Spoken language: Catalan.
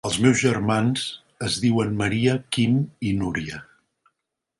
Els meus germans es diuen Maria, Quim i Núria.